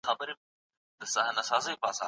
راتلونکي بدلونونه هم باید په پرمختیا کي وشمېرل سي.